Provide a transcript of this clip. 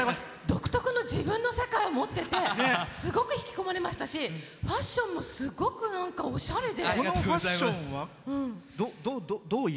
独特の自分の世界持っててすごく引き込まれましたしファッションもすごく、おしゃれで。